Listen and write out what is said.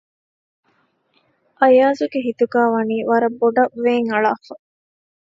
އަޔާޒުގެ ހިތުގައިވަނީ ވަރަށް ބޮޑަށް ވޭން އަޅާފަ